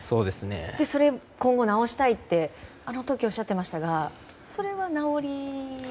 それを今後、直したいとあの時おっしゃってましたがそれは直り？